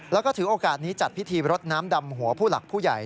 แล้วก็ถือโอกาสนี้จัดพิธีรดน้ำดำหัวผู้หลักผู้ใหญ่